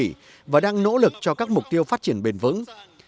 việt nam đang nỗ lực cho các mục tiêu phát triển bền vững